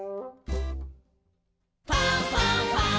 「ファンファンファン」